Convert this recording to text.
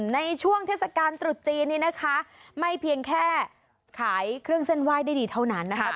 ในช่วงเทศกาลตรุษจีนนี้นะคะไม่เพียงแค่ขายเครื่องเส้นไหว้ได้ดีเท่านั้นนะคะ